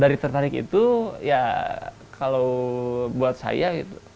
dari tertarik itu ya kalau buat saya gitu